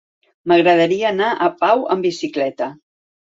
M'agradaria anar a Pau amb bicicleta.